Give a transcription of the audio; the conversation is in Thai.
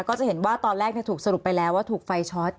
ก็จะเห็นว่าตอนแรกถูกสรุปไปแล้วว่าถูกไฟช็อต